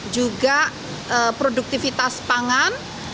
juga produktivitas pangan